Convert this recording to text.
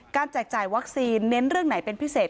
แจกจ่ายวัคซีนเน้นเรื่องไหนเป็นพิเศษ